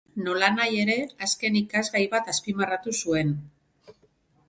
Nolanahi ere, azken ikasgai bat azpimarratu zuen.